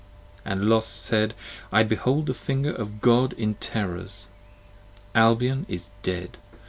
5 And Los said, I behold the finger of God in terrors! Albion is dead!